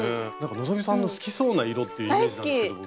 希さんの好きそうな色ってイメージなんですけど僕。